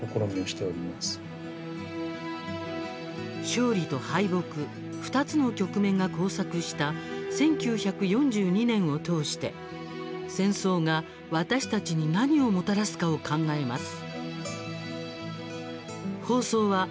勝利と敗北、２つの局面が交錯した１９４２年を通して戦争が私たちに何をもたらすかを考えます。